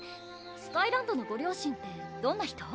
スカイランドのご両親ってどんな人？